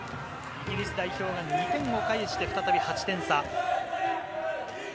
イギリス代表が２点を返して再び８点差。